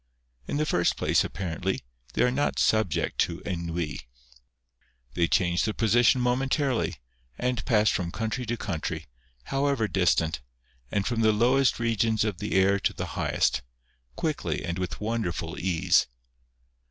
In the first place, apparently, they are not subject to ennui. They change their position momentarily, and pass from country to country, however distant, and from the lowest regions of the air to the highest, quickly and with wonderful ease.